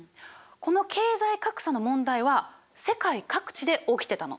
この経済格差の問題は世界各地で起きてたの。